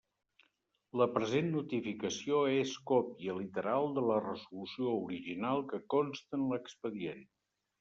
La present notificació és còpia literal de la resolució original que consta en l'expedient.